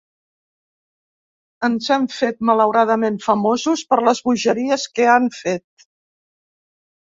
Ens hem fet malauradament famosos per les bogeries que han fet.